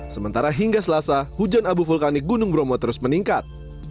sementara hingga selasa hujan abu vulkanik gunung bromo terus meningkat